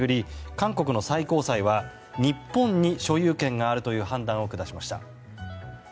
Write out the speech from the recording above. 韓国の最高裁は日本に所有権があるという判断を下しました。